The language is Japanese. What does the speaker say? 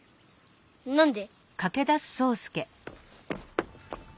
何で？